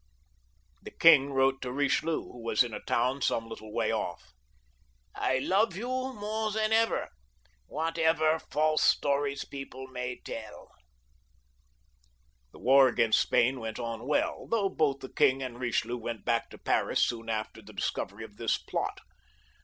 The king wrote to Richelieu, who was in a town some little way off : "I love you more than ever, whatever false stories people may tell/' The war against Spain went on well, though both the king'and Richelieu went back to Paris soon after the dis covery of this plot.